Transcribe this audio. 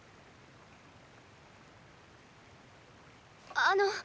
あの。